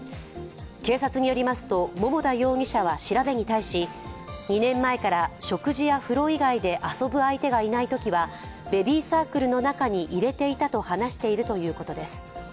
警察によりますと桃田容疑者は調べに対し２年前から食事や風呂以外で遊ぶ相手がいないときはベビーサークルの中に入れていたと話しているということです。